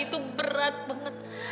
itu berat banget